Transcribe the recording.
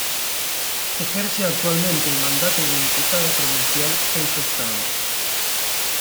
Ejerce actualmente el mandato de diputada provincial en su estado.